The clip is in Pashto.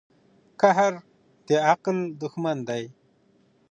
قهر د عقل دښمن دی.